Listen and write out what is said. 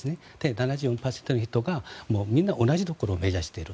７４％の人がみんな同じところを目指している。